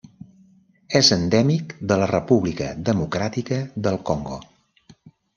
És endèmic de la República Democràtica del Congo.